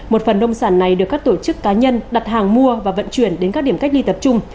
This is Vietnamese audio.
một phần nông sản này được các tổ chức cá nhân đặt hàng mua và vận chuyển đến các điểm cách ly tập trung